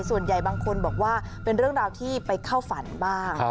ส่วนใหญ่บางคนบอกว่าเป็นเรื่องราวที่ไปเข้าฝันบ้าง